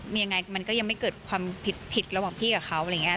ยังไงมันก็ยังไม่เกิดความผิดระหว่างพี่กับเขาอะไรอย่างนี้